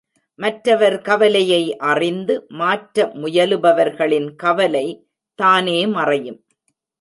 மற்றவர் கவலையை அறிந்து மாற்ற முயலுபவர்களின் கவலை தானே மறையும்.